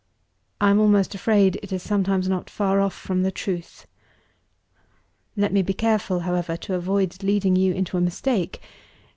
I am almost afraid it is sometimes not far off from the truth. "Let me be careful, however, to avoid leading you into a mistake.